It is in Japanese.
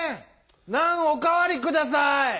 「ナン」おかわりください！